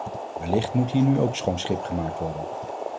Wellicht moet hier nu ook schoon schip worden gemaakt.